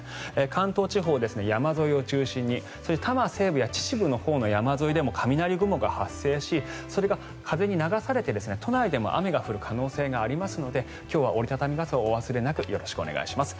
関東地方、山沿いを中心にそして多摩西部や秩父のほうの山沿いでも雷雲が発生しそれが風に流されて都内でも雨が降る可能性がありますので今日は折り畳み傘をお忘れなくよろしくお願いします。